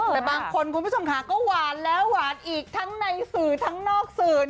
แต่บางคนคุณผู้ชมค่ะก็หวานแล้วหวานอีกทั้งในสื่อทั้งนอกสื่อ